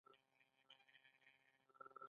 انګریزانو په هند کې له دې طریقې ډېر کار واخیست.